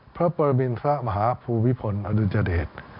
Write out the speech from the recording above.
พระปรมิณฑรามหาภูวิพลอดุญาเดช